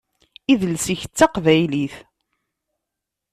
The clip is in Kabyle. Idles-ik d taqbaylit.